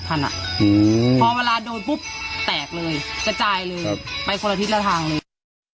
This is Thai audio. พอเวลาโดนปุ๊บแตกเลยกระจายเลยไปคนละทิศละทางเลย